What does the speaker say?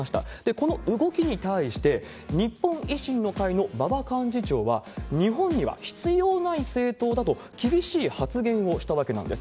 この動きに対して、日本維新の会の馬場幹事長は、日本には必要ない政党だと厳しい発言をしたわけなんです。